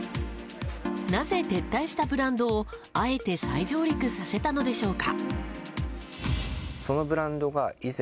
なぜ、撤退したブランドをあえて再上陸させたのでしょうか。